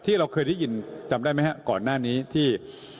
เราเคยได้ยินจำได้ไหมฮะก่อนหน้านี้ที่